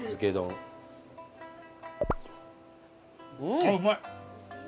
あっうまい！